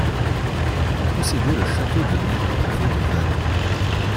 Il possédait le château de Néret près de Vannes.